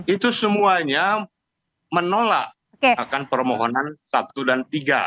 itu semuanya menolak akan permohonan satu dan tiga